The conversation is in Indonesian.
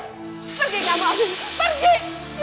pergi kamu afif pergi